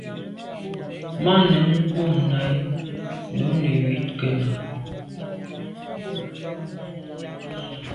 Màa nèn mum nà i num neywit kena.